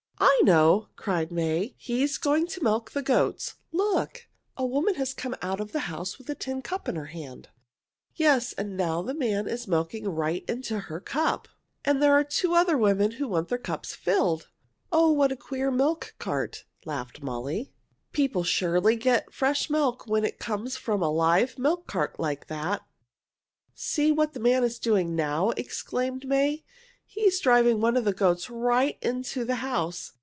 "I know!" cried May. "He is going to milk the goats. Look! A woman has come out of the house with a tin cup in her hand." "Yes, and now the man is milking right into her cup." [Illustration: "Oh, what a queer milk cart!" laughed Molly] "And there are two other women who want their cups filled." "Oh, what a queer milk cart!" laughed Molly. "People surely get fresh milk when it comes from a live milk cart like that." "See what the man is doing now!" exclaimed May. "He is driving one of the goats right into the house.